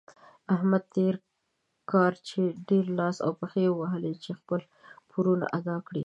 احمد تېر کار ډېر لاس او پښې ووهلې چې خپل پورونه ادا کړي.